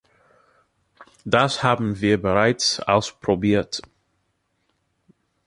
Das haben wir bereits ausprobiert.